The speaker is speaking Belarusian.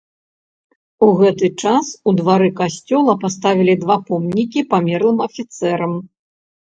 У гэты час у двары касцёла паставілі два помнікі памерлым афіцэрам.